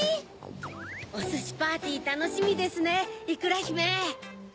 おすしパーティーたのしみですねいくらひめ。